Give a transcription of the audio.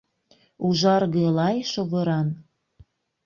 УЖАРГЫ-ЛАЙ ШОВЫРАН...